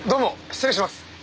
失礼します！